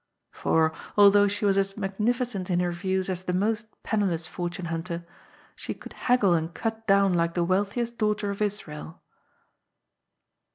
For, although she was as magnificent in her views as the most penniless fortune hunter, she could haggle and cut down like the wealthiest daughter of Israel.